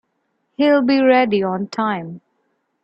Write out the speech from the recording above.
He'll be ready on time.